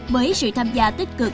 với sự tham gia tích cực